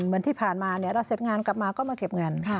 เหมือนที่ผ่านมาเราเสร็จงานกลับมาก็มาเก็บเงิน